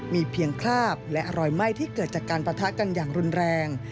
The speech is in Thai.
มีเพียงคราบและรอยไหม้ที่เกิดจากการปะทะกันอย่างรุนแรง